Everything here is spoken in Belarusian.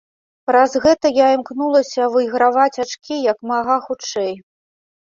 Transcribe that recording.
Праз гэта я імкнулася выйграваць ачкі як мага хутчэй.